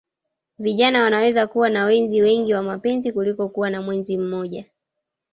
Vijana wanaweza kuwa na wenzi wengi wa mapenzi kuliko kuwa na mwenzi mmoja